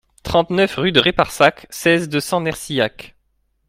trente-neuf rue de Réparsac, seize, deux cents, Nercillac